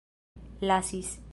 lasis